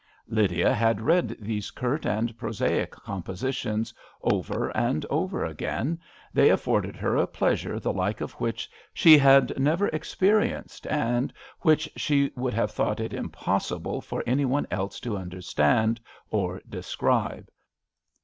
Lydia had read 136 A RAINY DAY. these curt and prosaic composi tions over and over again; they afforded her a pleasure the like of which she had never experi enced and which she would have thought it impossible for any one else to understand or describe.